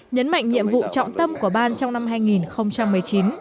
nhấn mạnh nhiệm vụ trọng tâm của ban trong năm hai nghìn một mươi chín